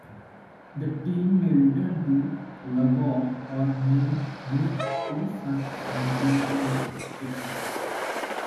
The team may return to Lubbock or may move to San Angelo, Texas.